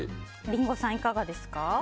リンゴさん、いかがですか？